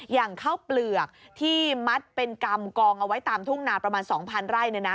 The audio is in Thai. อย่างข้าวเปลือกที่มัดเป็นกำกองเอาไว้ตามทุ่งนาประมาณ๒๐๐ไร่